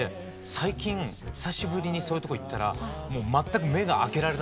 最近久しぶりにそういうとこ行ったらもう全く目があけられなかった。